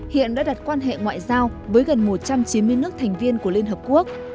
hiện đã đặt quan hệ ngoại giao với gần một trăm chín mươi nước thành viên của liên hợp quốc